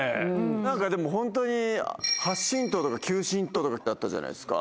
何かでもホントに８親等とか９親等とかあったじゃないっすか。